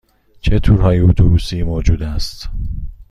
چه تورهای اتوبوسی موجود است؟